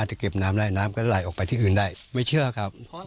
เพราะอะไรครับ